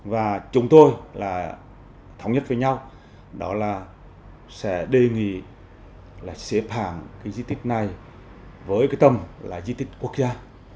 và chúng tôi là thống nhất với nhau đó là sẽ đề nghị là xếp hàng cái di tích này với cái tầm là di tích quốc gia